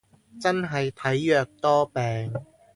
真係體弱多病